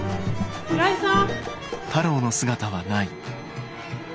平井さん？